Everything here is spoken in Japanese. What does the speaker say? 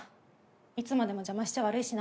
いつまでも邪魔しちゃ悪いしな。